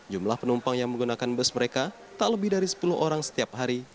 jumlah penumpang yang menggunakan bus mereka tak lebih dari sepuluh orang setiap hari